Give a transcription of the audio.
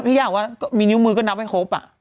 ยากว่ามีนิ้วมือก็นับไม่ครบ